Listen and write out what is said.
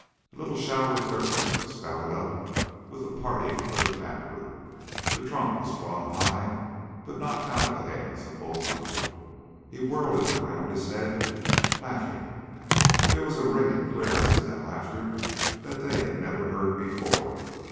A little shower of dirt spouted up with the parting of the taproot. The trunk was flung high, but not out of the hands of Bull Hunter. He whirled it around his head, laughing. There was a ring and clearness in that laughter that they had never heard before.